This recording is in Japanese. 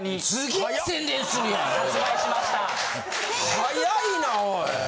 早いなおい。